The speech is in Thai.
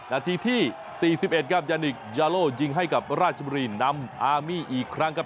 นาทีที่๔๑ครับยานิกยาโลยิงให้กับราชบุรีนำอามี่อีกครั้งครับ